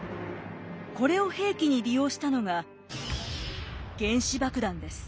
これを兵器に利用したのが原子爆弾です。